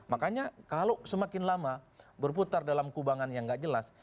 makanya kalau semakin lama berputar dalam kubangan yang nggak jelas